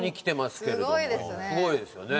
すごいですね。